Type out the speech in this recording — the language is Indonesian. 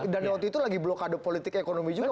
dan waktu itu lagi blokade politik ekonomi juga